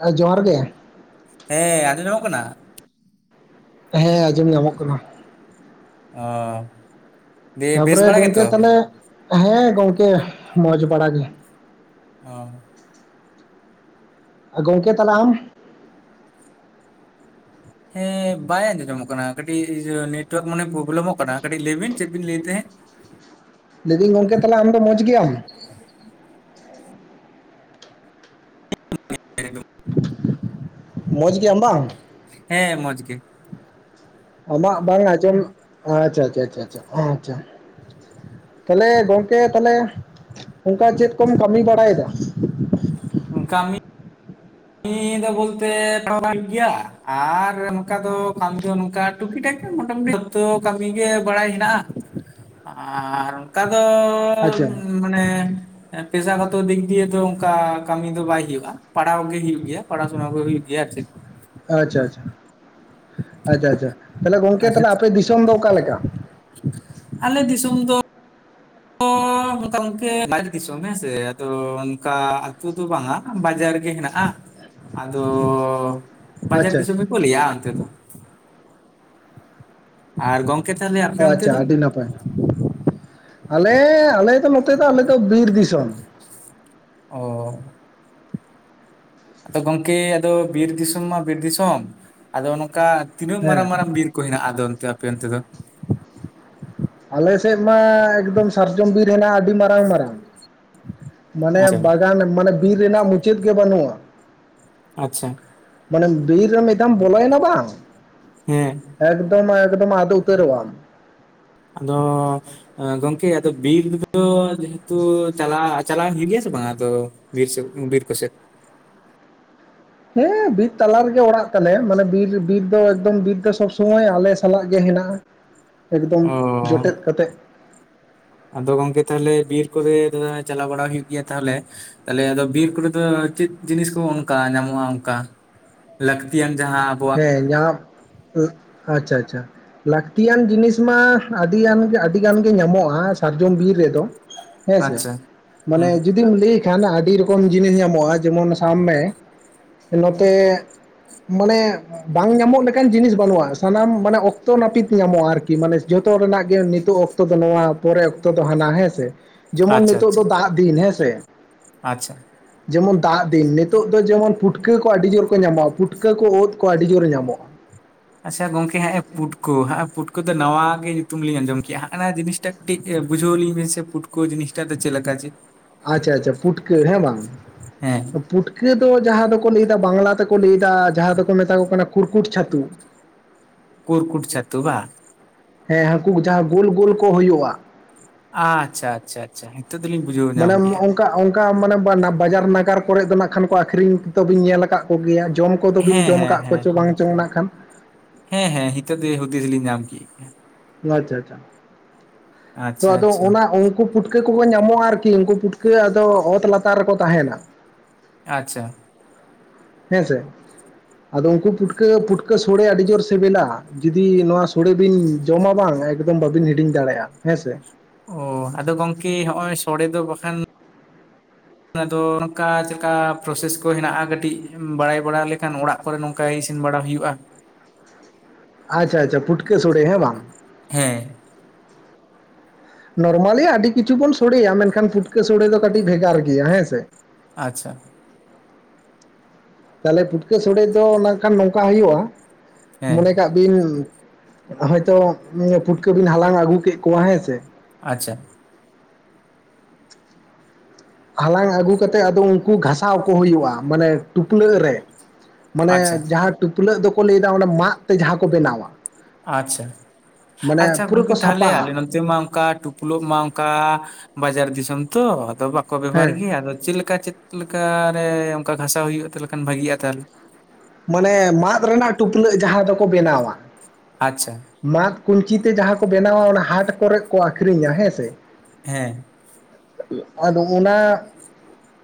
ᱟᱸ ᱡᱚᱦᱟᱨ ᱜᱮ᱾ ᱦᱮᱸ ᱟᱸᱡᱚᱢᱚᱜ ᱧᱟᱢᱚᱜ ᱠᱟᱱᱟ? ᱦᱮᱸ ᱟᱸᱡᱚᱢ ᱧᱟᱢᱚᱜ ᱠᱟᱱᱟ᱾ ᱚᱻ ᱛᱟᱯᱚᱨᱮ ᱜᱚᱝᱠᱮ ᱛᱟᱦᱞᱮ, ᱦᱮᱸ ᱜᱚᱝᱠᱮ ᱢᱚᱸᱡᱽ ᱵᱟᱲᱟᱜ ᱜᱮ᱾ ᱚ᱾ ᱜᱚᱝᱠᱮ ᱛᱟᱞᱦᱮ ᱟᱢ? ᱦᱮᱸ ᱵᱟᱭ ᱟᱸᱡᱚᱡᱚᱢᱚᱜ ᱠᱟᱱᱟ ᱠᱟᱹᱴᱤᱡ ᱱᱮᱴᱳᱣᱟᱠ ᱢᱟᱱᱮ ᱯᱚᱵᱮᱞᱮᱢᱚᱜ ᱠᱟᱱᱟ᱾ ᱠᱟᱹᱴᱤᱡ ᱞᱟᱹᱭ ᱵᱤᱱ ᱪᱮᱫ ᱵᱤᱱ ᱞᱟᱹᱭ ᱮᱜᱛᱮᱦᱮᱸ? ᱞᱟᱹᱭ ᱫᱤᱧ ᱜᱚᱝᱠᱮ ᱛᱟᱞᱦᱮ ᱟᱢ ᱫᱚ ᱢᱚᱪᱜᱮᱭᱟᱢ? [unintelligible] ᱢᱚᱸᱡᱽ ᱜᱮᱭᱟᱢ ᱵᱟᱝ᱾ ᱦᱮᱸ ᱢᱚᱡᱽ ᱜᱮ᱾ ᱟᱢᱟᱜ ᱵᱟᱝ ᱟᱸᱡᱚᱢ ᱟᱪᱪᱷᱟᱻ ᱟᱪᱪᱷᱟᱻ ᱟᱪᱪᱷᱟ ᱟᱪᱪᱷᱟᱻ᱾ ᱛᱟᱦᱞᱮ ᱜᱚᱢᱠᱮ ᱛᱟᱦᱞᱮ ᱚᱝᱠᱟ ᱪᱮᱫ ᱠᱚᱢ ᱠᱟᱹᱢᱤ ᱵᱟᱲᱟᱭ ᱫᱟ? ᱠᱟᱹᱢᱤ ᱠᱟᱹᱢᱤ ᱫᱚ ᱵᱚᱞᱛᱮ [unintelligible] ᱦᱩᱭᱩᱜ ᱜᱮᱭᱟ ᱟᱨ ᱱᱚᱝᱠᱟ ᱫᱚ ᱠᱟᱹᱢᱤ ᱫᱚ ᱱᱚᱝᱠᱟ ᱴᱩᱠᱤ ᱴᱟᱠᱤ ᱢᱚᱴᱟᱢᱩᱴᱤ ᱡᱷᱚᱼᱼ ᱛᱚ ᱠᱟᱹᱢᱤ ᱜᱮ ᱵᱟᱲᱟᱭ ᱦᱮᱱᱟᱜᱼᱟ᱾ ᱟᱨ ᱚᱝᱠᱟ ᱫᱚᱼᱼ ᱟᱪᱪᱷᱟ ᱢᱟᱱᱮ ᱯᱮᱥᱟᱜᱚᱛᱚ ᱫᱤᱠ ᱫᱤᱭᱮ ᱫᱚ ᱚᱝᱠᱟ ᱠᱟᱹᱢᱤ ᱫᱚ ᱵᱟᱭ ᱦᱩᱭᱩᱜᱼᱟ᱾ ᱯᱟᱲᱦᱟᱣ ᱜᱮ ᱦᱳᱭᱳᱜ ᱜᱮᱭᱟ᱾ ᱯᱟᱲᱟᱥᱩᱱᱟ ᱠᱚ ᱦᱩᱭᱩᱜ ᱜᱮᱭᱟ ᱟᱨ ᱪᱮᱫ᱾ ᱟᱪᱪᱷᱟ ᱟᱪᱪᱷᱟ ᱟᱪᱪᱷᱟ ᱟᱪᱪᱷᱟ ᱛᱟᱦᱞᱮ ᱜᱚᱝᱠᱮ ᱛᱟᱦᱚᱞᱮ ᱟᱪᱪᱷᱟ ᱟᱯᱮ ᱫᱤᱥᱚᱢ ᱫᱚ ᱚᱠᱟ ᱞᱮᱠᱟ? ᱟᱞᱮ ᱫᱤᱥᱚᱢ ᱫᱚ [inaudible] ᱚᱱᱠᱟ ᱜᱚᱝᱠᱮ ᱵᱟᱦᱨᱮ ᱫᱤᱥᱚᱢ ᱦᱮᱸᱥᱮ ᱟᱫᱚ ᱚᱝᱠᱟ ᱟᱹᱛᱩ ᱫᱚ ᱵᱟᱝᱟ ᱵᱟᱡᱟᱨ ᱜᱮ ᱦᱮᱱᱟᱜᱼᱟ᱾ ᱟᱫᱚᱻ ᱵᱟᱡᱟᱨ ᱟᱪᱪᱷᱟ ᱫᱤᱥᱚᱢ ᱟᱪᱪᱷᱟ ᱜᱮᱠᱚ ᱞᱟᱹᱭᱟ ᱚᱱᱛᱮ ᱫᱚ᱾ ᱟᱨ ᱜᱚ ᱼᱼ ᱟᱪᱪᱷᱟ ᱟᱹᱰᱤ ᱱᱟᱯᱟᱭ ᱟᱞᱮ ᱟᱞᱮ ᱫᱚ ᱱᱚᱛᱮ ᱫᱚ ᱵᱤᱨ ᱫᱤᱥᱚᱢ᱾ ᱚᱻ ᱟᱫᱚ ᱜᱚᱝᱠᱮ ᱟᱫᱚ ᱵᱤᱨ ᱫᱤᱥᱚᱢ ᱢᱟ ᱵᱤᱨ ᱫᱤᱥᱚᱢ ᱟᱫᱚ ᱱᱚᱝᱠᱟ ᱛᱤᱱᱟᱹᱜ ᱦᱮᱸ ᱢᱟᱨᱟᱝ ᱢᱟᱨᱟᱝ ᱵᱤᱨ ᱠᱚ ᱦᱮᱱᱟᱜᱼᱟ᱾ ᱟᱫᱚ ᱚᱱᱛᱮ ᱟᱯᱮ ᱚᱱᱛᱮ ᱫᱚ᱾ ᱟᱞᱮ ᱥᱮᱫ ᱢᱟ ᱮᱠᱫᱚᱢ ᱥᱟᱨᱡᱚᱢ ᱵᱤᱨ ᱦᱮᱱᱟᱜᱼᱟ ᱟᱹᱰᱤ ᱢᱟᱨᱼᱼ [unintelligible] ᱢᱟᱱᱮ ᱟᱪᱪᱷᱟ ᱵᱟᱜᱟᱱ ᱢᱟᱱᱮ ᱵᱤᱨ ᱨᱮᱱᱟᱜ ᱢᱩᱪᱟᱹᱫ ᱜᱮ ᱵᱟᱹᱱᱩᱜᱼᱟ ᱟᱪᱪᱷᱟ ᱾ ᱢᱟᱱᱮ ᱵᱤᱨ ᱨᱮ ᱢᱤᱫᱷᱟᱢ ᱵᱚᱞᱚᱭᱱᱟ ᱵᱟᱝᱼᱼ ᱦᱮᱸ ᱮᱠᱫᱚᱢ ᱮᱠᱫᱚᱢ ᱟᱫᱚ ᱩᱛᱟᱹᱨᱚᱜ ᱟᱢ᱾ ᱟᱫᱚ ᱜᱚᱝᱠᱮ ᱵᱤᱨ ᱫᱚ ᱡᱮᱦᱮᱛᱩ ᱪᱟᱞᱟᱜ ᱪᱟᱞᱟᱣ ᱦᱩᱭᱩᱜ ᱜᱮᱭᱟ ᱥᱮ ᱵᱟᱝ ᱟᱫᱚ ᱵᱤᱨ ᱥᱮ ᱵᱤᱨ ᱠᱚᱥᱮᱛ᱾ ᱦᱮᱸ ᱵᱤᱨ ᱛᱟᱞᱟ ᱨᱮᱜᱮ ᱚᱲᱟᱜ ᱛᱟᱞᱮ ᱢᱟᱱᱮ ᱵᱤᱨ ᱵᱤᱨ ᱫᱚ ᱮᱠᱫᱚᱢ ᱵᱤᱨ ᱫᱚ ᱥᱚᱵ ᱥᱚᱢᱚᱭᱼᱼ ᱥᱚᱢᱚᱭ ᱟᱞᱮ ᱥᱟᱞᱟᱜ ᱜᱮ ᱦᱮᱱᱟᱜᱼᱟ᱾ ᱮᱠᱫᱚᱢ ᱚ ᱡᱚᱴᱮᱫ ᱠᱟᱛᱮᱜ ᱾ ᱟᱫᱚ ᱜᱚᱝᱠᱮ ᱛᱟᱦᱚᱞᱮ ᱵᱤᱨ ᱠᱚᱨᱮ ᱫᱚ ᱪᱟᱞᱟᱣ ᱵᱟᱲᱟ ᱦᱩᱭᱩᱜ ᱜᱮᱭᱟ ᱛᱟᱦᱚᱞᱮ ᱛᱟᱦᱚᱞᱮ ᱟᱫᱚ ᱵᱤᱨ ᱠᱚᱨᱮ ᱫᱚ ᱪᱮᱫ ᱡᱤᱱᱤᱥ ᱠᱚ ᱚᱱᱠᱟ ᱧᱟᱢᱚᱜᱼᱟ᱾ ᱚᱝᱠᱟ᱾ ᱞᱟᱹᱠᱛᱤᱭᱟᱱ ᱡᱟᱦᱟᱸ ᱦᱮᱸ ᱧᱟᱯ ᱟᱪᱪᱷᱟ ᱟᱪᱪᱷᱟ, ᱞᱟᱹᱠᱛᱤᱭᱟᱱ ᱡᱤᱱᱤᱥ ᱢᱟ ᱟᱹᱰᱤ ᱭᱟᱱ ᱜᱮ ᱟᱹᱰᱤ ᱜᱟᱱ ᱜᱮ ᱧᱟᱢᱚᱜᱼᱟ, ᱥᱟᱨᱡᱚᱢ ᱵᱤᱨ ᱨᱮᱫᱚ᱾ ᱦᱮᱸᱥᱮ ᱟᱪᱪᱷᱟ ᱢᱟᱱᱮ ᱦᱩᱸ ᱡᱩᱫᱤᱢ ᱞᱟᱹᱭ ᱠᱷᱟᱱ ᱟᱹᱰᱤ ᱨᱚᱠᱚᱢ ᱡᱤᱱᱤᱥ ᱧᱟᱢᱚᱜᱼᱟ, ᱡᱮᱢᱚᱱ ᱥᱟᱵ ᱢᱮ ᱱᱚᱛᱮ ᱢᱚᱱᱮ ᱵᱟᱝ ᱧᱟᱢᱚᱜ ᱞᱮᱠᱟᱱ ᱡᱤᱱᱤᱥ ᱵᱟᱹᱱᱩᱜᱼᱟ, ᱥᱟᱱᱟᱢ ᱢᱟᱱᱮ ᱚᱠᱛᱚ ᱱᱟᱹᱯᱤᱛ ᱧᱟᱢᱚᱜᱼᱟ ᱟᱨᱠᱤ ᱢᱟᱱᱮ ᱡᱷᱚᱛᱚ ᱨᱮᱱᱟᱜ ᱜᱮ ᱱᱤᱛᱚᱜ ᱚ ᱱᱤᱛᱚᱜ ᱫᱚ ᱱᱚᱣᱟ ᱯᱚᱨᱮ ᱚᱠᱛᱚ ᱫᱚ ᱦᱟᱱᱟ ᱦᱮᱸᱥᱮ, ᱡᱮᱢᱚᱱ ᱟᱪᱪᱷᱟ ᱱᱤᱛᱚᱜ ᱟᱪᱪᱷᱟ ᱫᱚ ᱫᱟᱜ ᱫᱤᱱ ᱦᱮᱸ ᱥᱮ᱾ ᱟᱪᱪᱷᱟ᱾ ᱡᱮᱢᱚᱱ ᱫᱟᱜ ᱫᱤᱱ ᱱᱤᱛᱚᱜ ᱫᱚ ᱡᱮᱢᱚᱱ ᱯᱩᱴᱠᱟᱹ ᱠᱚ ᱟᱹᱰᱤ ᱡᱳᱨ ᱠᱚ ᱧᱟᱢᱚᱜᱼᱟ, ᱯᱩᱴᱠᱟᱹ ᱠᱚ ᱳᱫ ᱠᱚ ᱟᱹᱰᱤ ᱡᱳᱨ ᱧᱟᱢᱚᱜᱼᱟ, ᱟᱪᱪᱷᱟ ᱜᱚᱢᱠᱮ ᱦᱮᱸ ᱮ ᱯᱩᱴᱠᱟᱹ ᱦᱟᱸᱜ-ᱟ ᱯᱩᱴᱠᱟᱹ ᱫᱚ ᱱᱟᱣᱟ ᱜᱮ ᱧᱩᱛᱩᱢ ᱞᱤᱧ ᱟᱸᱡᱚᱢ ᱠᱮᱜᱼᱟ ᱦᱟᱸᱜ-ᱟ ᱱᱟ ᱡᱤᱱᱤᱥ ᱴᱟ ᱠᱟᱹᱴᱤᱡ ᱵᱩᱡᱷᱟᱹᱣ ᱞᱤᱧ ᱵᱮᱱ ᱥᱮ, ᱯᱩᱴᱠᱟᱹ ᱡᱤᱱᱤᱥᱴᱟ ᱫᱚ ᱪᱮᱫ ᱞᱮᱠᱟ ᱡᱮ ᱟᱪᱪᱷᱟ ᱟᱪᱪᱷᱟ ᱯᱩᱴᱠᱟᱹ ᱦᱮᱸ ᱵᱟᱝ? ᱦᱮᱸ᱾ ᱯᱩᱴᱠᱟᱹ ᱫᱚ ᱡᱟᱦᱟᱸ ᱫᱚᱠᱚ ᱞᱟᱹᱭᱫᱟ ᱵᱟᱝᱞᱟ ᱛᱮᱠᱚ ᱞᱟᱹᱭ ᱮᱫᱟ, ᱡᱟᱦᱟᱸ ᱫᱚᱠᱚ ᱢᱮᱛᱟ ᱠᱚ ᱠᱟᱱᱟ ᱠᱩᱨᱠᱩᱴ ᱪᱷᱟᱹᱛᱩ᱾ ᱠᱩᱨᱠᱩᱴ ᱪᱷᱟᱹᱛᱩ ᱵᱟ? ᱦᱮᱸ, ᱦᱟᱝᱠᱩ ᱡᱟᱦᱟᱸ ᱜᱳᱞ ᱜᱳᱞ ᱠᱚ ᱦᱩᱭᱩᱜᱼᱟ᱾ ᱟᱪᱪᱷᱟ ᱟᱪᱪᱷᱟ ᱟᱪᱪᱷᱟ, ᱱᱤᱛᱚᱜ ᱫᱚᱞᱤᱧ ᱵᱩᱡᱷᱟᱹᱣ ᱧᱟᱢ ᱠᱮᱜᱼᱟ᱾ ᱠᱟᱜ, ᱚᱱᱠᱟ ᱢᱟᱱᱮ ᱵᱟᱱᱟ ᱵᱟᱡᱟᱨ ᱱᱟᱜᱟᱨ ᱠᱚᱨᱮᱜ ᱫᱚ ᱱᱟᱸᱜ ᱠᱷᱟᱱ ᱠᱚ ᱟᱹᱠᱷᱨᱤᱧ ᱛᱚᱵᱤᱱ ᱧᱮᱞᱟ ᱠᱟᱜ ᱠᱚᱜᱮᱭᱟ, ᱡᱚᱢ ᱠᱚᱫᱚ ᱵᱤᱱ ᱦᱮᱸ ᱡᱚᱢ ᱦᱮᱸ ᱠᱟᱜ ᱠᱚ ᱦᱮᱸ ᱪᱚ ᱵᱟᱝ ᱪᱚᱝ ᱱᱟᱜ ᱠᱷᱟᱱ? ᱦᱮᱸ ᱦᱮᱸ ᱦᱤᱛᱚᱜ ᱫᱚ ᱦᱩᱫᱤᱥ ᱞᱤᱧ ᱧᱟᱢ ᱠᱮ᱾ ᱟᱪᱪᱷᱟ ᱟᱪᱪᱷᱟ᱾ ᱛᱚ ᱟᱪᱪᱷᱟ ᱟᱫᱚ, ᱟᱪᱪᱷᱟ ᱚᱱᱟ ᱩᱱᱠᱩ ᱯᱩᱴᱠᱟᱹ ᱠᱚᱠᱚ ᱧᱟᱢᱚᱜᱼᱟ ᱟᱨᱠᱤ ᱩᱱᱠᱩ ᱯᱩᱴᱠᱟᱹ ᱟᱫᱚ ᱚᱛ ᱞᱟᱛᱟᱨ ᱨᱮᱠᱚ ᱛᱟᱦᱮᱸᱱᱟ᱾ ᱟᱪᱪᱷᱟ᱾ ᱦᱮᱸᱥᱮ, ᱟᱫᱚ ᱩᱱᱠᱩ ᱯᱩᱴᱠᱟᱹ ᱯᱩᱴᱠᱟᱹ ᱥᱳᱲᱮ ᱟᱹᱰᱤ ᱡᱳᱨ ᱥᱮᱵᱮᱞᱟ, ᱡᱩᱫᱤ ᱱᱚᱣᱟ ᱥᱳᱲᱮ ᱵᱤᱱ ᱡᱚᱢᱟ ᱵᱟᱝ ᱮᱠᱫᱚᱢ ᱵᱟᱹᱵᱤᱱ ᱦᱤᱲᱤᱧ ᱫᱟᱲᱮᱜᱼᱟ, ᱦᱮᱸ ᱥᱮ᱾ ᱚᱻ ᱟᱫᱚ ᱜᱚᱝᱠᱮ ᱦᱚᱸᱜᱼᱚᱭ ᱥᱳᱲᱮ ᱫᱚ ᱵᱟᱠᱷᱟᱱ [inaudible] ᱚᱱᱟᱫᱚ ᱱᱚᱝᱠᱟ ᱪᱮᱫᱠᱟ ᱯᱨᱚᱥᱮᱥ ᱠᱚ ᱦᱮᱱᱟᱜᱼᱟ, ᱠᱟᱹᱴᱤᱡ ᱵᱟᱲᱟᱭ ᱵᱟᱲᱟ ᱞᱮᱠᱷᱟᱱ ᱚᱲᱟᱜ ᱠᱚᱨᱮ ᱱᱚᱝᱠᱟ ᱤᱥᱤᱱ ᱵᱟᱲᱟ ᱦᱩᱭᱩᱜᱼᱟ, ᱟᱪᱪᱷᱟ ᱟᱪᱪᱷᱟ, ᱯᱩᱴᱠᱟᱹ ᱥᱳᱲᱮ ᱦᱮᱸ ᱵᱟᱝ? ᱦᱮᱸ᱾ ᱱᱚᱨᱢᱟᱞᱤ ᱟᱹᱰᱤ ᱠᱤᱪᱷᱩ ᱵᱚᱱ ᱥᱳᱲᱮᱭᱟ, ᱢᱮᱱᱠᱷᱟᱱ ᱯᱩᱴᱠᱟᱹ ᱥᱳᱲᱮ ᱫᱚ ᱠᱟᱹᱴᱤᱡ ᱵᱷᱮᱜᱟᱨ ᱜᱮᱭᱟ ᱦᱮᱸ ᱥᱮ᱾ ᱟᱪᱪᱷᱟ᱾ ᱛᱟᱦᱞᱮ ᱯᱩᱴᱠᱟᱹ ᱥᱳᱲᱮ ᱫᱚ ᱱᱟᱸᱜᱠᱷᱟᱱ ᱱᱚᱝᱠᱟ ᱦᱩᱭᱩᱜᱼᱟ, ᱦᱮᱸ ᱢᱚᱱᱮ ᱠᱟᱜ ᱵᱤᱱ ᱦᱚᱭᱛᱚ ᱯᱩᱴᱠᱟᱹ ᱵᱤᱱ ᱦᱟᱞᱟᱝ ᱟᱹᱜᱩ ᱠᱮᱜ ᱠᱚᱣᱟ ᱦᱮᱸ ᱥᱮ᱾ ᱟᱪᱪᱷᱟ᱾ ᱦᱟᱞᱟᱝ ᱟᱹᱜᱩ ᱠᱟᱛᱮᱜ ᱟᱫᱚ ᱩᱱᱠᱩ ᱜᱷᱟᱸᱥᱟᱣ ᱠᱚ ᱦᱩᱭᱩᱜᱼᱟ, ᱢᱟᱱᱮ ᱴᱩᱯᱞᱟᱹᱜ ᱨᱮ᱾ ᱢᱟᱱᱮ ᱟᱪᱪᱷᱟ ᱡᱟᱦᱟᱸ ᱴᱩᱯᱞᱟᱹᱜ ᱫᱚᱠᱚ ᱞᱟᱹᱭ ᱫᱟ ᱚᱱᱟ ᱢᱟᱜ ᱛᱮ ᱡᱟᱦᱟᱸ ᱠᱚ ᱵᱮᱱᱟᱣᱟ᱾ ᱟᱪᱪᱷᱟ, ᱢᱟᱱᱮ ᱟᱪᱪᱷᱟ ᱯᱩᱨᱟᱹ ᱠᱚ ᱜᱚᱝᱠᱮ ᱛᱟᱦᱞᱮ ᱟᱞᱮ ᱥᱟᱯᱟᱜᱼᱟ ᱱᱚᱛᱮ ᱢᱟ ᱚᱝᱠᱟ ᱴᱩᱯ ᱯᱩᱞᱳᱜ ᱢᱟ ᱚᱝᱠᱟ, ᱵᱟᱡᱟᱨ ᱫᱤᱥᱚᱢ ᱛᱚ, ᱟᱫᱚ ᱵᱟᱠᱚ ᱵᱮᱵᱚᱦᱟᱨ ᱦᱮᱸ ᱜᱮᱭᱟ ᱟᱫᱚ ᱪᱮᱞᱮᱠᱟ ᱪᱮᱫ? ᱞᱮᱠᱟᱨᱮ ᱚᱝᱠᱟ ᱜᱷᱟᱸᱥᱟᱣ ᱦᱩᱭᱩᱜᱼᱟ, ᱛᱟᱞᱮ ᱠᱷᱟᱱ ᱵᱷᱟᱜᱤᱜᱼᱟ ᱛᱟᱦᱞᱮ᱾ ᱢᱟᱱᱮ ᱢᱟᱫ ᱨᱮᱱᱟᱜ ᱴᱩᱯᱞᱟᱹᱜ ᱡᱟᱦᱟᱸ ᱫᱚᱠᱚ ᱵᱮᱱᱟᱣᱟ᱾ ᱟᱪᱪᱷᱟ ᱢᱟᱫ ᱠᱩᱧᱪᱤ ᱛᱮ ᱡᱟᱦᱟᱸ ᱠᱚ ᱵᱮᱱᱟᱣᱟ, ᱚᱱᱟ ᱦᱟᱴ ᱠᱚᱨᱮᱜ ᱠᱚ ᱟᱹᱠᱷᱨᱤᱧᱟ ᱦᱮᱸ ᱥᱮ᱾ ᱦᱮᱸ᱾ ᱟᱫᱚᱢ ᱚᱱᱟ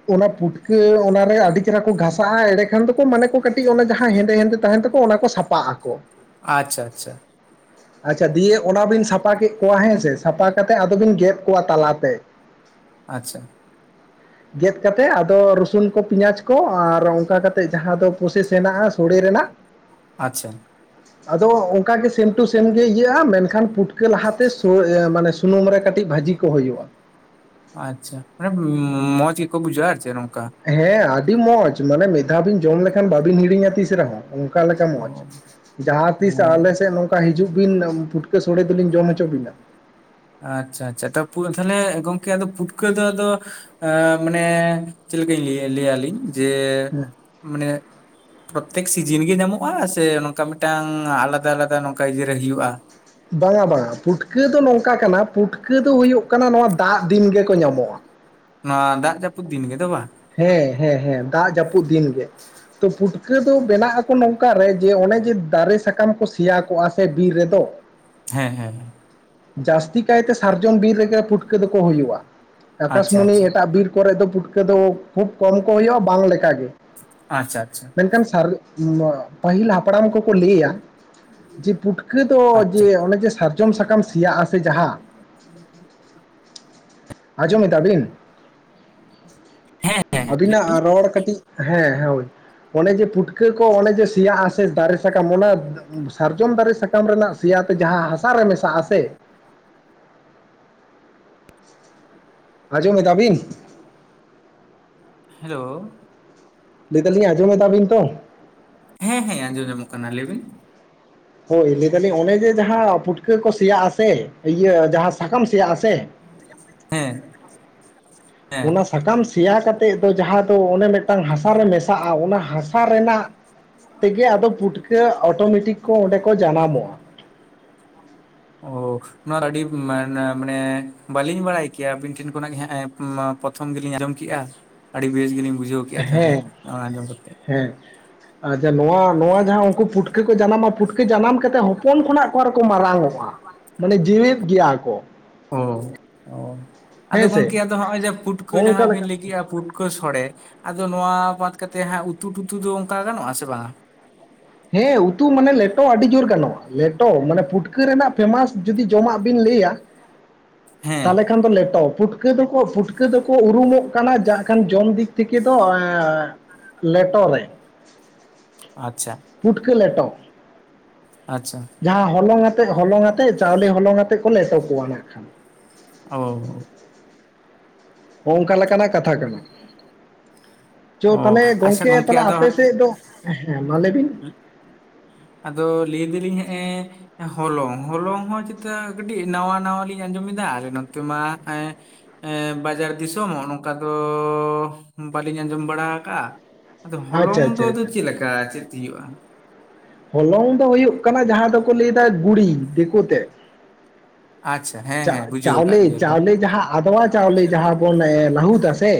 ᱚᱱᱟ ᱯᱩᱴᱠᱟᱹ ᱚᱱᱟᱨᱮ ᱟᱹᱰᱤ ᱪᱮᱨᱦᱟ ᱠᱚ ᱜᱷᱟᱥᱟᱜ-ᱟ, ᱮᱸᱲᱮ ᱠᱷᱟᱱ ᱫᱚᱠᱚ ᱢᱟᱱᱮ ᱠᱚ ᱠᱟᱹᱴᱤᱡ ᱚᱱᱟ ᱡᱟᱦᱟᱸ ᱦᱮᱸᱫᱮ ᱦᱮᱸᱫᱮ ᱛᱟᱦᱮᱱ ᱛᱟᱠᱚ ᱚᱱᱟ ᱠᱚ ᱥᱟᱯᱟᱜ-ᱟ ᱟᱠᱚ ᱾ ᱟᱪᱪᱷᱟ ᱟᱪᱪᱷᱟ ᱾ [inaudible] ᱟᱪᱪᱷᱟ, ᱫᱤᱭᱮ ᱚᱱᱟ ᱵᱤᱱ ᱥᱟᱯᱟ ᱠᱮᱜ ᱠᱚᱣᱟ ᱦᱮᱸᱥᱮ, ᱥᱟᱯᱟ ᱠᱟᱛᱮ ᱟᱫᱚ ᱵᱤᱱ ᱜᱮᱫ ᱠᱚᱣᱟ ᱛᱟᱞᱟᱛᱮ ᱾ [inaudible] ᱟᱪᱪᱷᱟ ᱾ ᱜᱮᱫ ᱠᱟᱛᱮ ᱟᱫᱚ ᱨᱚᱥᱩᱱ ᱠᱚ ᱯᱮᱸᱭᱟᱪ ᱠᱚ, ᱟᱨ ᱚᱱᱠᱟ ᱠᱟᱛᱮ ᱡᱟᱦᱟᱸ ᱫᱚ ᱯᱨᱳᱥᱮᱥ ᱦᱮᱱᱟᱜ-ᱟ ᱥᱳᱲᱮ ᱨᱮᱱᱟᱜ ᱟᱪᱪᱷᱟ ᱟᱫᱚ ᱚᱱᱠᱟ ᱜᱮ ᱥᱮᱢ ᱴᱩ ᱥᱮᱢ ᱜᱮ ᱤᱭᱟᱹᱜ-ᱟ, ᱢᱮᱱᱠᱷᱟᱱ ᱯᱩᱴᱠᱟᱹ ᱞᱟᱦᱟᱛᱮ ᱥᱳ ᱤᱭᱟᱹ ᱢᱟᱱᱮ ᱥᱩᱱᱩᱢ ᱨᱮ ᱠᱟᱹᱴᱤᱡ ᱵᱷᱟᱹᱡᱤ ᱠᱚ ᱦᱩᱭᱩᱜ-ᱟ ᱾ ᱟᱪᱪᱷᱟ, ᱢᱟᱱᱮ ᱢᱚᱸᱡᱽ ᱜᱮᱠᱚ ᱵᱩᱡᱷᱟᱹᱜ-ᱟ ᱟᱨ ᱪᱮᱜ ᱱᱚᱝᱠᱟ ᱾ ᱦᱮᱸ, ᱟᱹᱰᱤ ᱢᱚᱸᱡᱽ, ᱢᱟᱱᱮ ᱢᱤᱫ ᱫᱷᱟᱹᱣ ᱵᱤᱱ ᱡᱚᱢ ᱞᱮᱠᱷᱟᱱ ᱵᱟᱵᱤᱱ ᱦᱤᱲᱤᱧᱟ ᱛᱤᱥ ᱨᱮᱦᱚᱸ ᱾ ᱚᱱᱠᱟ ᱞᱮᱠᱟ ᱢᱚᱸᱡᱽ, ᱚ ᱡᱟᱦᱟᱸ ᱚ ᱛᱤᱥ ᱟᱞᱮ ᱥᱮᱜ ᱱᱚᱝ ᱠᱟ ᱦᱤᱡᱩᱜ ᱵᱤᱱ ᱯᱩᱴᱠᱟᱹ ᱥᱳᱲᱮ ᱫᱚᱞᱤᱧ ᱡᱚᱢ ᱦᱚᱪᱚ ᱵᱤᱱᱟ ᱾ ᱟᱪᱪᱷᱟ ᱟᱪᱪᱷᱟ, ᱴᱟᱹᱯᱩ ᱛᱟᱦᱞᱮ ᱜᱚᱝᱠᱮ ᱟᱫᱚ ᱯᱩᱴᱠᱟᱹ ᱫᱚ ᱟᱫᱚ ᱟᱹ ᱢᱟᱱᱮ ᱪᱮᱫ ᱞᱮᱠᱟᱧ ᱞᱮᱭᱟ ᱞᱮᱭᱟ ᱞᱤᱧ ᱡᱮ, ᱦᱮᱸ ᱢᱟᱱᱮ ᱯᱨᱳᱛᱛᱮᱠ ᱥᱤᱡᱤᱱ ᱜᱮ ᱧᱟᱢᱚᱜ-ᱟ ᱥᱮ ᱱᱚᱝᱠᱟ ᱢᱤᱫᱴᱟᱝ ᱟᱞᱟᱫᱟ ᱟᱞᱟᱫᱟ ᱱᱚᱝᱠᱟ ᱤᱭᱟᱹ ᱨᱮ ᱦᱩᱭᱩᱜ-ᱟ? ᱵᱟᱝᱟ ᱵᱟᱝᱟ, ᱯᱩᱴᱠᱟᱹ ᱫᱚ ᱱᱚᱝᱠᱟ ᱠᱟᱱᱟ, ᱯᱩᱴᱠᱟᱹ ᱫᱚ ᱦᱩᱭᱩᱜ ᱠᱟᱱᱟ ᱱᱚᱣᱟ ᱫᱟᱜ ᱫᱤᱱ ᱜᱮᱠᱚ ᱧᱟᱢᱚᱜ-ᱟ ᱾ ᱱᱚᱣᱟ ᱫᱟᱜ ᱡᱟᱹᱯᱩᱫ ᱫᱤᱱ ᱜᱮ ᱫᱚ ᱵᱟ? ᱦᱮᱸ, ᱦᱮᱸ ᱦᱮᱸ ᱾ ᱫᱟᱜ ᱡᱟᱹᱯᱩᱫ ᱫᱤᱱ ᱜᱮ᱾ ᱛᱚ ᱯᱩᱴᱠᱟᱹ ᱫᱚ ᱵᱮᱱᱟᱜ ᱟᱠᱚ ᱱᱚᱝᱠᱟᱨᱮ ᱡᱮ, ᱚᱱᱮ ᱡᱮ ᱫᱟᱨᱮ ᱥᱟᱠᱟᱢ ᱠᱚ ᱥᱮᱭᱟ ᱠᱚᱜ-ᱟ ᱥᱮ ᱵᱤᱨ ᱨᱮᱫᱚ᱾ [inaudible] ᱦᱮᱸ ᱦᱮᱸ ᱦᱮᱸ᱾ ᱡᱟᱹᱥᱛᱤ ᱠᱟᱭᱛᱮ ᱥᱟᱨᱡᱚᱢ ᱵᱤᱨ ᱨᱮᱜᱮ ᱯᱩᱴᱠᱟᱹ ᱫᱚᱠᱚ ᱦᱩᱭᱩᱜ-ᱟ, ᱟᱪᱪᱷᱟ ᱟᱠᱟᱥᱢᱟᱱᱤ ᱟᱪᱪᱷᱟ ᱮᱴᱟᱜ ᱵᱤᱨ ᱠᱚᱨᱮ ᱫᱚ ᱯᱩᱴᱠᱟᱹ ᱫᱚ ᱠᱷᱩᱵ ᱠᱚᱢ ᱠᱚ ᱦᱩᱭᱩᱜ-ᱟ, ᱵᱟᱝ ᱞᱮᱠᱟ ᱜᱮ᱾ ᱟᱪᱪᱷᱟ ᱟᱪᱪᱷᱟ᱾ ᱢᱮᱱᱠᱷᱟᱱ ᱥᱟᱨᱞ ᱯᱟᱹᱦᱤᱞ ᱦᱟᱯᱲᱟᱢ ᱠᱚᱠᱚ ᱞᱟᱹᱭᱟ ᱡᱮ, ᱯᱩᱴᱠᱟᱹ ᱫᱚ ᱟᱪᱪᱷᱟ ᱡᱮ ᱚᱱᱮ ᱡᱮ ᱥᱟᱨ ᱟᱸᱡᱚᱢ ᱥᱟᱠᱟᱢ ᱥᱮᱭᱟᱜ-ᱟ ᱥᱮ ᱡᱟᱦᱟᱸ, ᱟᱸᱡᱚᱢ ᱮᱫᱟ ᱵᱤᱱ? ᱦᱮᱸ ᱦᱮᱸ ᱟᱹᱵᱤᱱᱟᱜ ᱨᱚᱲ ᱠᱟᱹᱴᱤᱡ ᱦᱮᱸ, ᱦᱳᱭ᱾ ᱚᱱᱮ ᱡᱮ ᱯᱩᱴᱠᱟᱹ ᱠᱚ ᱚᱱᱮ ᱡᱮ, ᱥᱮᱭᱟᱜ-ᱟ ᱥᱮ ᱫᱟᱨᱮ ᱥᱟᱠᱟᱢ ᱚᱱᱟ ᱥᱟᱨᱡᱚᱢ ᱫᱟᱨᱮ ᱥᱟᱠᱟᱢ ᱨᱮᱱᱟᱜ ᱥᱮᱭᱟᱛᱮ ᱡᱟᱦᱟᱸ ᱦᱟᱥᱟᱨᱮ ᱢᱮᱥᱟᱜ-ᱟ ᱥᱮ ᱟᱸᱡᱚᱢ ᱮᱫᱟᱵᱤᱱ? ᱦᱮᱞᱳ? ᱞᱟᱹᱭ ᱫᱟᱹᱞᱤᱧ ᱟᱸᱡᱚᱢᱮᱫᱟ ᱵᱤᱱ ᱛᱚ? ᱦᱮᱸ ᱦᱮᱸ, ᱟᱸᱡᱚᱢ ᱧᱟᱢᱟᱝ ᱠᱟᱱᱟ ᱾ᱞᱟᱹᱭ ᱵᱤᱱ? ᱦᱳᱭ, ᱞᱟᱹᱭ ᱫᱟᱹᱞᱤᱧ ᱚᱱᱮ ᱡᱮ, ᱡᱟᱦᱟᱸ ᱯᱩᱴᱠᱟᱹ ᱠᱚ ᱥᱮᱭᱟᱜ ᱟᱥᱮ ᱤᱭᱟᱹ ᱡᱟᱦᱟᱸ ᱥᱟᱠᱟᱢ ᱥᱮᱭᱟᱜ ᱟᱥᱮ ᱦᱮᱸ᱾ ᱦᱮᱸ ᱚᱱᱟ ᱥᱟᱠᱟᱢ ᱥᱮᱭᱟ ᱠᱟᱛᱮ ᱫᱚ ᱡᱟᱦᱟᱸ ᱫᱚ ᱚᱱᱮ ᱢᱤᱫᱴᱟᱝ ᱦᱟᱥᱟᱨᱮ ᱢᱮᱥᱟᱜ-ᱟ, ᱚᱱᱟ ᱦᱟᱥᱟ ᱨᱮᱱᱟᱜ ᱛᱮᱜᱮ ᱟᱫᱚ ᱯᱩᱴᱠᱟᱹ ᱚᱴᱳᱢᱮᱴᱤᱠ ᱠᱚ ᱚᱸᱰᱮ ᱠᱚ ᱡᱟᱱᱟᱢᱚᱜ-ᱟ᱾ ᱚ᱾ ᱱᱚᱣᱟ ᱫᱚ ᱟᱹᱰᱤ ᱢᱟᱱᱮ ᱢᱟᱱᱮ ᱵᱟᱹᱞᱤᱧ ᱵᱟᱲᱟᱭ ᱠᱮᱭᱟ ᱟᱹᱵᱤᱱ ᱴᱷᱮᱱ ᱠᱷᱚᱱᱟᱜ ᱯᱨᱚᱛᱷᱚᱢ ᱜᱮᱞᱤᱧ ᱟᱸᱡᱚᱢ ᱠᱮᱜ-ᱟ, ᱟᱹᱰᱤ ᱵᱮᱥ ᱜᱮᱞᱤᱧ ᱵᱩᱡᱷᱟᱹᱣ ᱠᱮᱜ-ᱟ᱾ ᱛᱟᱦᱚᱞᱮ ᱦᱮᱸ ᱟᱸᱡᱚᱢ ᱠᱟᱛᱮ ᱦᱮᱸ ᱟᱨ ᱡᱟᱦᱟ ᱱᱚᱣᱟ ᱱᱚᱣᱟ ᱡᱟᱦᱟᱸ ᱩᱱᱠᱩ ᱯᱩᱴᱠᱟᱹ ᱠᱚ ᱡᱟᱱᱟᱢᱼᱟ ᱯᱩᱴᱠᱟᱹ ᱡᱟᱱᱟᱢ ᱠᱟᱛᱮᱜ ᱦᱚᱯᱚᱱ ᱠᱷᱚᱱᱟᱜ ᱚᱠᱟ ᱨᱮ ᱠᱚ ᱢᱟᱨᱟᱝ ᱚᱜᱼᱟ ᱢᱟᱱᱮ ᱡᱮᱣᱮᱫ ᱜᱮᱭᱟ ᱠᱚ ᱚ ᱟᱫᱚ ᱦᱮᱸ ᱥᱮ ᱜᱚᱝᱠᱮ ᱟᱫᱚ ᱦᱚᱜᱼᱚᱭ ᱡᱮ ᱯᱩᱴᱠᱟᱹ ᱡᱟᱦᱟᱸ ᱦᱚᱸᱜᱼᱚᱝᱠᱟ ᱵᱤᱱ ᱞᱮᱠᱟ ᱞᱟᱹᱭ ᱠᱮᱫᱼᱟ ᱯᱩᱴᱠᱟᱹ ᱯᱩᱴᱠᱟᱹ ᱥᱚᱲᱮ ᱟᱫᱚ ᱱᱚᱣᱟ ᱵᱟᱫ ᱠᱟᱛᱮ ᱦᱟᱜ ᱩᱛᱩᱴᱩᱛᱩ ᱫᱚ ᱚᱱᱠᱟ ᱜᱟᱱᱚᱜ ᱟ ᱥᱮ ᱵᱟᱝᱟ ᱦᱮᱸ ᱩᱛᱩ ᱢᱟᱱᱮ ᱞᱮᱴᱚ ᱟᱹᱰᱤ ᱡᱳᱨ ᱜᱟᱱᱚᱜᱼᱟ ᱞᱮᱴᱚ ᱢᱟᱱᱮ ᱯᱷᱩᱴᱠᱟᱹ ᱨᱮᱱᱟᱜ ᱯᱷᱮᱢᱟᱥ ᱡᱩᱫᱤ ᱡᱚᱢᱟᱜ ᱵᱤᱱ ᱞᱟᱹᱭᱟ? ᱦᱮᱸ ᱛᱟᱦᱚᱞᱮ ᱠᱷᱟᱱ ᱫᱚ ᱞᱮᱴᱚ ᱯᱩᱴ ᱯᱷᱩᱴᱠᱟᱹ ᱫᱚᱠᱚ ᱯᱷᱩᱴᱠᱟᱹ ᱫᱚᱠᱚ ᱩᱨᱩᱢᱚᱜ ᱠᱟᱱᱟ ᱡᱟ ᱠᱷᱟᱱ ᱡᱚᱢ ᱫᱤᱠ ᱛᱷᱮᱠᱮ ᱫᱚ? ᱞᱮᱴᱚ ᱨᱮ ᱟᱪᱪᱷᱟ ᱯᱩᱴᱠᱟ. ᱞᱮᱴᱚ ᱟᱪᱪᱷᱟ ᱡᱟᱦᱟᱸ ᱦᱚᱞᱚᱝ ᱟᱛᱮᱫ ᱦᱚᱞᱚᱝ ᱟᱛᱮᱜ ᱪᱟᱣᱞᱮ ᱦᱚᱞᱚᱝ ᱟᱛᱮᱜ ᱠᱚ ᱞᱮᱴᱚ ᱠᱚᱣᱟ ᱱᱟᱜᱠᱷᱟᱱ ᱚ ᱦᱳ ᱚᱱᱠᱟ ᱞᱮᱠᱟᱱᱟᱜ ᱠᱟᱛᱷᱟ ᱠᱟᱱᱟ᱾ ᱪᱚ ᱚ ᱛᱟᱦᱚᱞᱮ ᱟᱪᱪᱷᱟ ᱜᱚᱝᱠᱮ ᱛᱟᱦᱞᱮ ᱟᱫᱚ ᱟᱯᱮ ᱦᱟᱸᱜ ᱥᱮᱫ ᱫᱚ ᱦᱮᱸ ᱢᱟ ᱞᱟᱹᱭᱵᱤᱱ ᱟᱫᱚ ᱞᱟᱹᱭ ᱫᱟᱞᱤᱧ ᱦᱮᱜ ᱮ ᱦᱚᱞᱚᱝ ᱦᱚᱞᱚᱝ ᱦᱚᱸ ᱪᱮᱛᱟ ᱠᱟᱹᱴᱤᱡ ᱱᱟᱣᱟ ᱱᱟᱣᱟ ᱞᱤᱧ ᱟᱸᱡᱚᱢᱮᱫᱟ ᱟᱞᱮ ᱱᱚᱛᱮ ᱢᱟ ᱮ ᱮᱜ ᱵᱟᱡᱟᱨ ᱫᱤᱥᱚᱢ ᱦᱚᱜ ᱱᱚᱝᱠᱟ ᱫᱚ ᱵᱟᱹᱞᱤᱧ ᱟᱸᱡᱚᱢ ᱵᱟᱲᱟ ᱟᱠᱟᱜ ᱟ ᱟᱫᱚ ᱦᱚᱞᱚᱝ ᱟᱪᱪᱷᱟ ᱫᱚ ᱟᱪᱪᱷᱟ ᱟᱫᱚ ᱟᱪᱪᱷᱟ ᱪᱮᱫ ᱞᱮᱠᱟ ᱪᱮᱫ ᱛᱤᱭᱩᱜᱼᱟ ᱦᱚᱞᱚᱝ ᱫᱚ ᱦᱩᱭᱩᱜ ᱠᱟᱱᱟ ᱡᱟᱦᱟᱸ ᱫᱚᱠᱚ ᱞᱟᱹᱭᱫᱟ ᱜᱩᱲᱤ ᱫᱤᱠᱩ ᱛᱮ ᱟᱪᱪᱷᱟ ᱦᱮᱸ ᱪᱟᱜ ᱦᱮᱸ ᱵᱩᱡᱷᱟᱹᱣ ᱟᱠᱟᱫ ᱪᱟᱣᱞᱮ ᱜᱮᱭᱟᱞᱤᱧ ᱪᱟᱣᱞᱮ ᱡᱟᱦᱟᱸ ᱟᱫᱣᱟ ᱪᱟᱣᱞᱮ ᱡᱟᱦᱟᱸ ᱵᱚᱱ ᱞᱟᱹᱦᱩᱫᱟ ᱥᱮ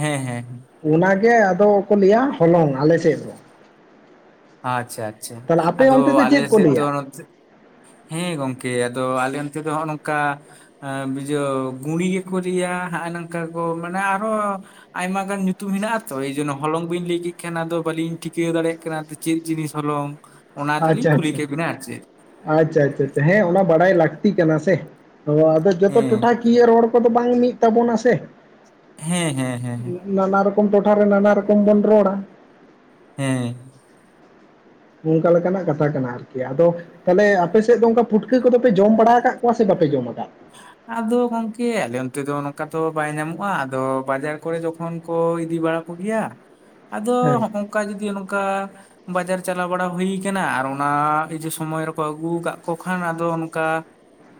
ᱦᱮᱸ ᱦᱮᱸ ᱚᱱᱟᱜᱮ ᱟᱫᱚ ᱠᱚ ᱞᱟᱹᱭᱟ ᱦᱚᱞᱚᱝ ᱟᱞᱮ ᱥᱮᱫ ᱫᱚ ᱟᱪᱪᱷᱟ ᱟᱪᱪᱷᱟ ᱛᱟᱦᱚᱞᱮ ᱟᱯᱮ ᱟᱫᱚ ᱚᱱᱛᱮ ᱫᱚ ᱟᱞᱮ ᱪᱮᱫ ᱠᱚ ᱥᱮᱫ ᱫᱚ ᱞᱟᱹᱭᱟ ᱦᱮᱸ ᱜᱚᱝᱠᱮ ᱟᱫᱚ ᱟᱞᱮ ᱚᱱᱛᱮ ᱫᱚ ᱦᱚᱜ ᱚᱝᱠᱟ ᱮ ᱵᱩᱡᱷᱟᱹᱣ ᱜᱩᱲᱤ ᱜᱮᱠᱚ ᱞᱟ. ᱭᱟ ᱦᱟᱜᱼ ᱱᱚᱝᱠᱟ ᱠᱚ ᱢᱟᱱᱮ ᱟᱨᱚ ᱟᱭᱢᱟ ᱜᱟᱱ ᱧᱩᱛᱩᱢ ᱢᱮᱱᱟᱜᱼᱟ ᱛᱚ ᱮᱭ ᱡᱮᱱᱚ ᱦᱚᱞᱚᱝ ᱵᱟ‌ᱧ ᱞᱟᱹᱭ ᱤᱠᱷᱮᱱ ᱟᱫᱚ ᱵᱟᱞᱤᱧ ᱴᱷᱤᱠᱟᱹᱣ ᱫᱟᱲᱮᱭᱟᱜ ᱠᱟᱱᱟ ᱪᱮᱫ ᱡᱤᱱᱤᱥ ᱦᱚᱞᱚᱝ ᱚᱱᱟ ᱛᱮᱞᱤᱧ ᱟᱪᱪᱷᱟ ᱠᱩᱞᱤ ᱟᱪᱪᱷᱟ ᱠᱮᱫ ᱵᱤᱱᱟ ᱟᱨ ᱪᱮᱫ ᱟᱪᱪᱷᱟ ᱟᱪᱪᱷᱟᱷᱟ ᱦᱮᱸ ᱚᱱᱟ ᱵᱟᱰᱟᱭ ᱞᱟᱹᱠᱛᱤ ᱠᱟᱱᱟ ᱥᱮ ᱟᱫᱚ ᱡᱚᱛᱚ ᱦᱮᱸ ᱴᱚᱴᱷᱟ ᱠᱤᱭᱟᱹ ᱨᱚᱲ ᱠᱚᱫᱚ ᱵᱟᱝ ᱢᱤᱫ ᱛᱟᱵᱚᱱᱟ ᱥᱮ ᱦᱮᱸ ᱦᱮᱸ ᱦᱮᱸ ᱱᱟᱱᱟ ᱨᱚᱠᱚᱢ ᱴᱚᱴᱷᱟᱨᱮ ᱱᱟᱱᱟ ᱨᱚᱠᱚᱢ ᱵᱚᱱ ᱨᱚᱲᱟ ᱦᱮᱸ ᱚᱱᱠᱟ ᱞᱮᱠᱟᱱᱟᱜ ᱠᱟᱛᱷᱟ ᱠᱟᱱᱟ ᱟᱨᱠᱤ ᱟᱫᱚ ᱛᱟᱦᱞᱮ ᱟᱯᱮ ᱥᱮᱫ ᱫᱚ ᱚᱱᱠᱟ ᱯᱷᱩᱴᱠᱟᱹᱫᱚᱯᱮ ᱡᱚᱢ ᱵᱟᱲᱟ ᱟᱠᱟᱫ ᱠᱚᱣᱟ ᱥᱮ ᱵᱟᱯᱮ ᱡᱚᱢ ᱟᱠᱟᱫ ᱟᱫᱚ ᱜᱚᱝᱠᱮ ᱟᱞᱮ ᱚᱱᱛᱮ ᱫᱚ ᱱᱚᱝᱠᱟ ᱫᱚ ᱵᱟᱭ ᱧᱟᱢᱚᱜᱼᱟ ᱟᱫᱚ ᱵᱟᱡᱟᱨ ᱠᱚᱨᱮ ᱡᱚᱠᱷᱚᱱ ᱠᱚ ᱤᱫᱤ ᱵᱟᱲᱟ ᱠᱚᱜᱮᱭᱟ [inaudible] ᱟᱫᱚ ᱦᱚᱜ ᱚᱝᱠᱟ ᱡᱩᱫᱤ ᱱᱚᱝᱠᱟ ᱵᱟᱡᱟᱨ ᱪᱟᱞᱟᱣ ᱵᱟᱲᱟ ᱦᱩᱭ ᱠᱟᱱᱟ ᱟᱨ ᱚᱱᱟ ᱮᱭ ᱡᱮ ᱥᱚᱢᱚᱭ ᱨᱮᱠᱚ ᱟᱹᱜᱩ ᱠᱟᱜ ᱠᱚ ᱠᱷᱟᱱ ᱟᱫᱚ ᱚᱱᱠᱟ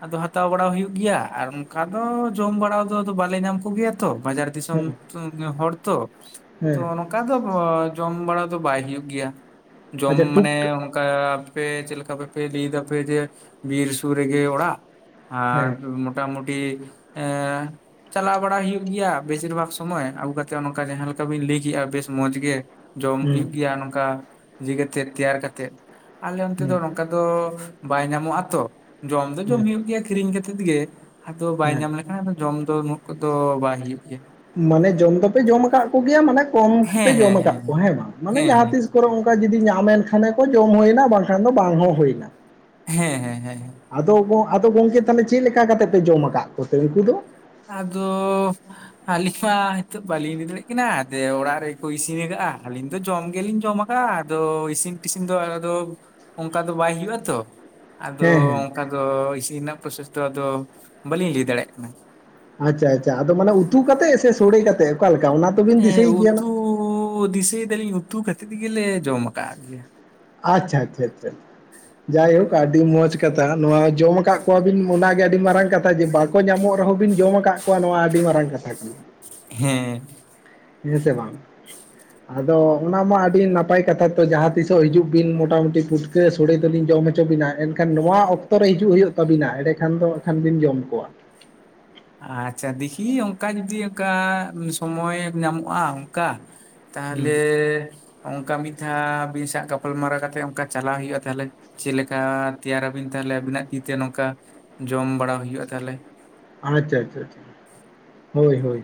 ᱟᱫᱚ ᱦᱟᱛᱟᱣ ᱵᱟᱲᱟ ᱦᱩᱭᱩᱜ ᱜᱮᱭᱟ ᱟᱨ ᱚᱱᱠᱟ ᱫᱚ ᱡᱚᱢ ᱵᱟᱲᱟ ᱫᱚ ᱟᱫᱚ ᱵᱟᱞᱮ ᱧᱟᱢ ᱠᱚᱜᱮᱭᱟ ᱛᱚ ᱵᱟᱡᱟᱨ ᱫᱤᱥᱚᱢ ᱦᱮᱸ ᱫᱤᱥᱚᱢ ᱦᱚᱲ ᱛᱚ ᱛᱚ ᱦᱮᱸ ᱚᱱᱠᱟ ᱫᱚ ᱡᱚᱢ ᱵᱟᱲᱟ ᱫᱚ ᱵᱟᱭ ᱦᱩᱭᱩᱜ ᱜᱮᱭᱟ ᱡᱚᱢ ᱟᱪᱪᱷᱟ ᱢᱟᱱᱮ ᱴᱩᱠ ᱟᱯᱮ ᱪᱮᱫ ᱞᱮᱠᱟ ᱵᱮᱯᱮ ᱨᱤᱫ ᱫᱟᱯᱮ ᱡᱮ ᱵᱤᱨ ᱥᱩᱨ ᱨᱮᱜᱮ ᱚᱲᱟᱜ ᱟᱨ ᱦᱮᱸ ᱢᱳᱚᱴᱟ ᱢᱩᱴᱤ ᱪᱟᱞᱟᱣ ᱵᱟᱲᱟ ᱦᱩᱭᱩᱜ ᱜᱮᱭᱟ ᱵᱮᱥᱤᱨ ᱵᱷᱟᱜᱽ ᱥᱚᱢᱚᱭ ᱟᱹᱜᱩ ᱠᱟᱛᱮ ᱚᱱᱠᱟ ᱡᱟᱦᱟᱸ ᱞᱮᱠᱟ ᱵᱤᱱ ᱞᱟᱹᱭ ᱠᱮᱫᱼᱟ ᱵᱮᱥ ᱢᱚᱸᱡᱽ ᱜᱮ ᱡᱚᱢ ᱦᱩᱸ ᱦᱩᱭᱩᱜ ᱜᱮᱭᱟ ᱱᱚᱝᱠᱟ ᱤᱭᱟᱹᱤ ᱠᱟᱛᱮᱜ ᱛᱮᱭᱟᱨ ᱠᱟᱛᱮᱜ ᱟᱞᱮ ᱚᱱᱛᱮ ᱫᱚ ᱦᱩᱸ ᱠᱟᱫᱚ ᱵᱟᱭ ᱧᱟᱢᱚᱜ-ᱟ ᱛᱚ ᱡᱚᱢ ᱫᱚ ᱡᱚᱢ ᱦᱮᱸ ᱦᱩᱭᱩᱜ ᱜᱮᱭᱟ ᱠᱤᱨᱤᱧ ᱠᱟᱛᱮᱫ ᱜᱮ ᱟᱫᱚ ᱵᱟᱭ ᱦᱮᱸ ᱧᱟᱢ ᱞᱮᱠᱷᱟᱱ ᱡᱚᱢ ᱫᱚ ᱱᱩᱜ ᱠᱚᱫᱚ ᱵᱟᱭ ᱦᱩᱭᱩᱜ ᱜᱮᱭᱟ ᱢᱟᱱᱮ ᱡᱚᱢ ᱫᱚᱯᱮ ᱡᱚᱢ ᱟᱠᱟᱫ ᱠᱚᱜᱮᱭᱟ ᱢᱟᱱᱮ ᱠᱚᱢ ᱯᱮ ᱦᱮᱸ ᱡᱚᱢ ᱟᱠᱟᱫ ᱠᱚᱣᱟ ᱦᱮᱸ ᱵᱟᱝ ᱢᱟᱱᱮ ᱦᱮᱸ ᱦᱮᱸ ᱡᱟᱦᱟᱸᱛᱤᱥ ᱠᱚᱨᱮ ᱚᱱᱠᱟ ᱡᱩᱫᱤ ᱧᱟᱢ ᱮᱱ ᱠᱷᱟᱱᱮ ᱠᱚ ᱡᱚᱢ ᱦᱩᱭᱱᱟ ᱵᱟᱝᱠᱷᱟᱱ ᱫᱚ ᱵᱟᱝ ᱦᱚᱸ ᱦᱩᱭᱱᱟ ᱦᱮᱸ ᱦᱮᱸ ᱦᱮᱸ ᱦᱮᱸ ᱦᱮᱸ ᱦᱮᱸ ᱟᱫᱚ ᱜᱚ ᱟᱫᱚ ᱜᱚᱝᱠᱮ ᱛᱟᱦᱚᱞᱮ ᱪᱮᱫ ᱞᱮᱠᱟ ᱠᱟᱛᱮ ᱯᱮ ᱡᱚᱢ ᱟᱠᱟᱫ ᱠᱚᱛᱮ ᱩᱱᱠᱩ ᱫᱚ? ᱟᱫᱚᱻ ᱟᱹᱞᱤᱧ ᱢᱟ ᱱᱤᱛᱚᱜ ᱵᱟᱹᱞᱤᱧ ᱞᱟᱭ ᱫᱟᱲᱮᱭᱟᱜ ᱠᱟᱱᱟ ᱫᱮ ᱚᱲᱟᱜ ᱨᱮᱜᱠᱚ ᱤᱥᱤᱱ ᱟᱠᱟᱜᱼᱟ ᱟᱹᱞᱤᱧ ᱫᱚ ᱡᱚᱢ ᱜᱮᱞᱤᱧ ᱡᱚᱢᱟ ᱵᱟ ᱟᱫᱚ ᱤᱥᱤᱱ ᱴᱤᱥᱤᱱ ᱫᱚ ᱟᱫᱚ ᱚᱱᱠᱟ ᱫᱚ ᱵᱟᱭ ᱦᱩᱭᱩᱜ-ᱟ ᱛᱚ᱾ ᱟᱫᱚ ᱦᱮᱸ ᱦᱮᱸ ᱚᱱᱠᱟ ᱫᱚ ᱤᱥᱤᱱ ᱨᱮᱱᱟᱜ ᱯᱨᱚᱥᱮᱥ ᱫᱚ ᱟᱫᱚ ᱵᱟᱹᱞᱤᱧ ᱞᱟᱹᱭ ᱫᱟᱲᱮᱭᱟᱜ ᱠᱟᱱᱟ᱾ ᱟᱪᱪᱷᱟ ᱟᱪᱪᱷᱟ ᱟᱫᱚ ᱢᱟᱱᱮ ᱩᱛᱩ ᱠᱟᱛᱮ ᱥᱮ ᱥᱚᱲᱮ ᱠᱟᱛᱮᱜ ᱚᱠᱟᱞᱮᱠᱟ ᱚᱱᱟ? ᱛᱚᱵᱤᱱ ᱫᱤᱥᱟᱹᱭ ᱜᱮᱭᱟ ᱩᱛᱩ ᱱᱟᱜ ᱫᱤᱥᱟᱹᱭ ᱫᱟᱞᱤᱧ ᱩᱛᱩ ᱠᱟᱛᱮᱫ ᱜᱮᱞᱮ ᱡᱚᱢ ᱟᱠᱟᱜ ᱜᱮᱭᱟ ᱟᱪᱪᱷᱟ ᱟᱪᱪᱷᱟ ᱡᱟᱭᱦᱳᱠ ᱟᱹᱰᱤ ᱢᱚᱸᱡᱽ ᱠᱟᱛᱷᱟ ᱱᱚᱣᱟ ᱡᱚᱢ ᱟᱠᱟᱫ ᱠᱚᱣᱟ ᱵᱤᱱ ᱚᱱᱟᱜᱮ ᱟᱹᱰᱤ ᱢᱟᱨᱟᱝ ᱠᱟᱛᱷᱟ ᱡᱮ ᱵᱟᱠᱚ ᱧᱟᱢᱚᱜ ᱨᱮᱦᱚᱸ ᱵᱤᱱ ᱡᱚᱢ ᱟᱠᱟᱫ ᱠᱚᱣᱟ ᱱᱚᱣᱟ ᱟᱹᱰᱤ ᱢᱟᱨᱟᱝ ᱠᱟᱛᱷᱟ ᱠᱟᱱᱟ ᱦᱮᱸ ᱦᱮᱸ ᱥᱮ ᱵᱟᱝ ᱟᱫᱚ ᱚᱱᱟ ᱢᱟ ᱟᱹᱰᱤ ᱱᱟᱯᱟᱭ ᱠᱟᱛᱷᱟ ᱛᱚ ᱡᱟᱦᱟᱸ ᱛᱤᱥᱚᱜ ᱦᱤᱡᱩᱜ ᱟᱹᱵᱤᱱ ᱢᱚᱴᱟᱢᱩᱴᱤ ᱯᱩᱴᱠᱟᱹ ᱥᱳᱚᱲᱮ ᱫᱚᱞᱤᱧ ᱡᱚᱢ ᱦᱚᱪᱚ ᱵᱤᱱ ᱢᱚᱴᱟ ᱢᱩᱴᱤ ᱯᱩᱴᱠᱟ. ᱥᱳᱲᱮ ᱫᱚᱤᱧ ᱡᱚᱢ ᱦᱚᱪᱚ ᱵᱤᱱᱟᱹ ᱮᱱᱠᱷᱟᱱ ᱱᱚᱣᱟ ᱚᱠᱛᱚ ᱨᱮ ᱦᱤᱡᱩᱜ ᱦᱩᱭᱩᱜ ᱛᱟᱹᱵᱤᱱᱟ ᱮᱸᱰᱮᱠᱷᱟᱱ ᱫᱚ ᱠᱷᱟᱱ ᱵᱤᱱ ᱡᱚᱢ ᱠᱚᱣᱟ᱾ ᱟᱪᱪᱷᱟ ᱫᱤᱠᱷᱤ ᱚᱱᱠᱟ ᱡᱩᱫᱤ ᱚᱱᱠᱟ ᱥᱚᱢᱚᱭ ᱧᱟᱢᱚᱜᱼᱟ ᱚᱱᱠᱟ ᱦᱩᱸ ᱛᱟᱦᱚᱞᱮ ᱚᱱᱠᱟ ᱢᱤᱫ ᱫᱷᱟᱣ ᱟᱵᱤᱱ ᱥᱟᱣ ᱜᱟᱯᱟᱞᱢᱟᱨᱟᱣ ᱠᱟᱛᱮᱜ ᱚᱱᱠᱟ ᱪᱟᱞᱟᱣ ᱦᱩᱭᱩᱜᱼᱟ ᱛᱟᱦᱚᱞᱮ ᱪᱮᱞᱮᱠᱟ ᱛᱮᱭᱟᱨᱟᱵᱤᱱ ᱛᱟᱦᱞᱮ ᱟᱵᱤᱱᱟᱜ ᱛᱤᱛᱮ ᱱᱚᱝᱠᱟ ᱡᱚᱢ ᱵᱟᱲᱟ ᱦᱩᱭᱩᱜ ᱟ ᱛᱟᱦᱚᱞᱮ ᱟᱪᱪᱷᱟ ᱟᱪᱪᱷᱟ ᱦᱳᱭ ᱦᱳᱭ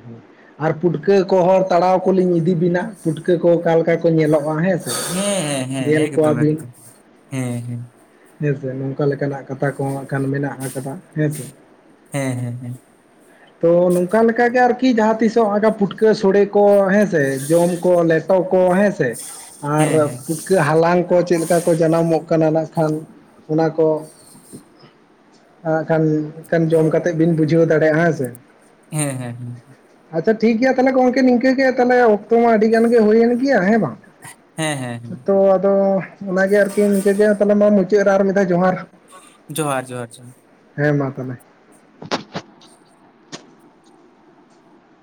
ᱟᱨ ᱯᱩᱴᱠᱟᱹ ᱠᱚᱦᱚᱸ ᱛᱟᱲᱟᱣ ᱠᱚᱞᱤᱧ ᱤᱫᱤ ᱵᱤᱱᱟ ᱯᱩᱴᱠᱟᱹ ᱠᱚ ᱚᱠᱟ ᱞᱮᱠᱟ ᱠᱚ ᱧᱮᱞᱚᱜᱼᱟ ᱦᱮᱸ ᱥᱮ ᱦᱮᱸ ᱦᱮᱸ ᱧᱮᱞ ᱦᱮᱸ ᱠᱚᱣᱟ ᱮᱠᱫᱚᱢ ᱵᱤᱱ ᱮᱠᱫᱚᱢ ᱦᱮᱸ ᱦᱮᱸ ᱦᱮᱸ ᱥᱮ ᱱᱚᱝᱠᱟ ᱞᱮᱠᱟᱱᱟᱜ ᱠᱟᱛᱷᱟ ᱠᱚᱦᱚᱸ ᱮᱠᱷᱟᱱ ᱢᱮᱱᱟᱜ ᱟᱠᱟᱫᱟ ᱦᱮᱸ ᱥᱮ ᱦᱮᱸ ᱦᱮᱸ ᱦᱮᱸ ᱛᱚ ᱱᱚᱝᱠᱟ ᱞᱮᱠᱟ ᱜᱮ ᱟᱨᱠᱤ ᱡᱟᱦᱟᱸ ᱛᱤᱥᱚᱜ ᱯᱩᱴᱠᱟᱹ ᱥᱚᱲᱮ ᱠᱚ ᱦᱮᱸᱥᱮ ᱡᱚᱢ ᱠᱚ ᱞᱮ ᱠᱚ ᱦᱮᱸ ᱥᱮ ᱦᱮᱸ ᱦᱮᱸ ᱟᱨ ᱯᱩᱴ ᱠᱟᱹᱜ ᱦᱟᱞᱟᱝ ᱠᱚ ᱪᱮᱫ ᱞᱮᱠᱟ ᱠᱚ ᱡᱟᱱᱟᱢᱚᱜ ᱠᱟᱱᱟ ᱱᱟᱜ ᱠᱷᱟᱱ ᱚᱱᱟ ᱠᱚ ᱟᱲᱟᱜ ᱠᱷᱟᱱ ᱮᱱᱠᱷᱟᱱ ᱡᱚᱢ ᱠᱟᱛᱮ ᱵᱤᱱ ᱵᱩᱡᱷᱟᱹᱣ ᱫᱟᱲᱮᱭᱟᱜᱼᱟ ᱦᱮᱸ ᱥᱮ᱾ ᱦᱮᱸ ᱦᱮᱸ ᱦᱮᱸ ᱟᱪᱪᱷᱟ ᱴᱷᱤᱠ ᱜᱮᱭᱟ ᱛᱟᱞᱦᱮ ᱜᱚᱢᱠᱮ ᱱᱤᱝᱠᱟᱹ ᱜᱮ ᱛᱟᱞᱦᱮ ᱚᱠᱛᱚ ᱢᱟ ᱟᱹᱰᱤ ᱜᱟᱱ ᱜᱮ ᱦᱩᱭᱮᱱ ᱜᱮᱭᱟ ᱦᱮᱸ ᱵᱟᱝ? ᱦᱮᱸ ᱦᱮᱸ ᱦᱮᱸ ᱛᱚ ᱟᱫᱚ ᱚᱱᱟᱜᱮ ᱟᱨᱠᱤ ᱱᱤᱝᱠᱟᱹᱜᱮ ᱛᱟᱞᱦᱮ ᱢᱟ ᱢᱩᱪᱟᱹᱫ ᱨᱮ ᱟᱨ ᱢᱤᱫ ᱫᱷᱟᱣ ᱡᱚᱦᱟᱨ ᱡᱚᱦᱟᱨ ᱡᱚᱦᱟᱨ ᱡᱚᱦᱟᱨ ᱦᱮᱸ ᱢᱟ ᱛᱟᱦᱚᱞᱮ